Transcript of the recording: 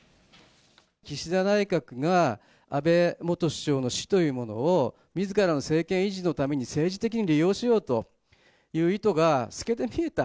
岸田内閣が安倍元首相の死というものを、みずからの政権維持のために、政治的に利用しようという意図が透けて見えた。